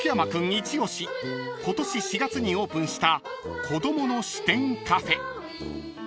一推し今年４月にオープンした］